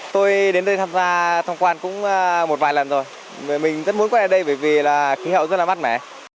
tôi đến đây tham gia tham quan cũng một vài lần rồi mình rất muốn quay lại đây bởi vì là khí hậu rất là mát mẻ